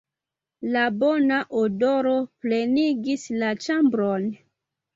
La bona odoro plenigis la ĉambron.